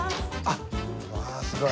わあすごい。